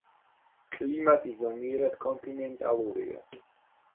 კლიმატი ზომიერად კონტინენტალურია.